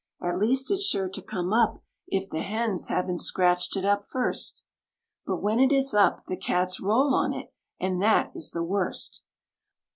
At least it's sure to come up if the hens haven't scratched it up first. But when it is up the cats roll on it, and that is the worst!